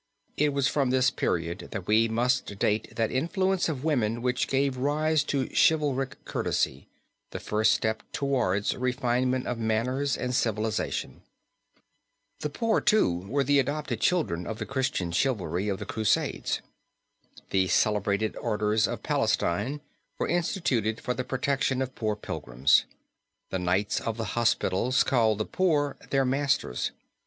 It was from this period that we must date that influence of woman which gave rise to chivalric courtesy, the first step towards refinement of manners and civilization. The poor, too, were the adopted children of the Christian chivalry of the Crusades. The celebrated orders of Palestine were instituted for the protection of poor pilgrims. The Knights of the hospitals called the poor their masters.